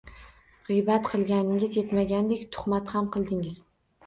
Gʻiybat qilganingiz yetmagandek, tuhmat ham qildingiz.